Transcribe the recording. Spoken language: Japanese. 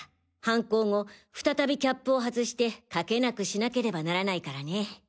犯行後再びキャップを外して書けなくしなければならないからね。